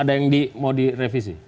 ada yang mau direvisi